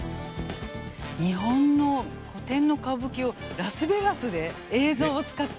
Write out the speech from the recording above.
日本の古典の歌舞伎をラスベガスで映像を使って。